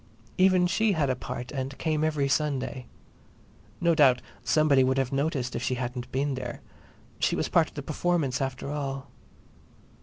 Even she had a part and came every Sunday. No doubt somebody would have noticed if she hadn't been there; she was part of the performance after all.